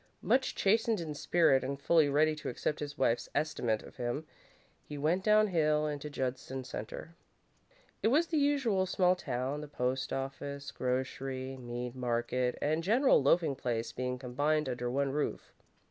Much chastened in spirit, and fully ready to accept his wife's estimate of him, he went on downhill into Judson Centre. It was the usual small town, the post office, grocery, meat market, and general loafing place being combined under one roof.